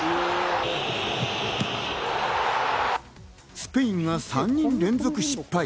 スペインが３人連続失敗。